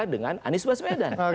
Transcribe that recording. dengan anies basmedan